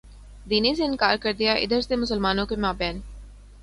دینے سے انکار کر دیا ادھر سے مسلمانوں کے مابین